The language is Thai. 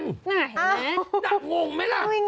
น่างงมั้ยล่ะ